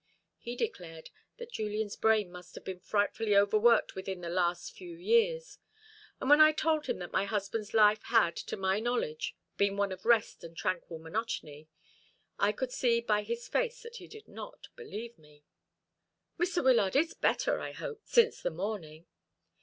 He declared that Julian's brain must have been frightfully overworked within the last few years; and when I told him that my husband's life had, to my knowledge, been one of rest and tranquil monotony, I could see by his face that he did not believe me." "Mr. Wyllard is better, I hope, since the morning."